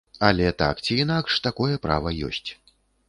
Але, так ці інакш, такое права ёсць.